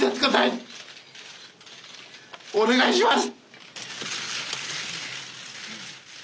お願いします！